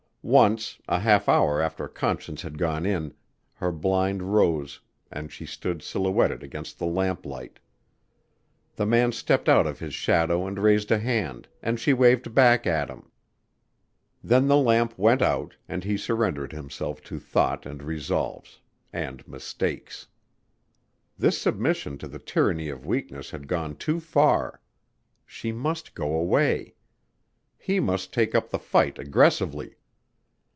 Once, a half hour after Conscience had gone in, her blind rose and she stood silhouetted against the lamp light. The man stepped out of his shadow and raised a hand, and she waved back at him. Then the lamp went out, and he surrendered himself to thought and resolves and mistakes. This submission to the tyranny of weakness had gone too far. She must go away. He must take up the fight aggressively.